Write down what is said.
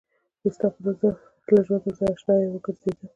ستا په رضا له ژونده زه اشنايه وګرځېدم